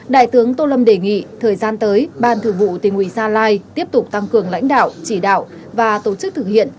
đại tướng tô lâm đề nghị thời gian tới ban thường vụ tình ủy gia lai tiếp tục tăng cường lãnh đạo chỉ đạo và tổ chức thực hiện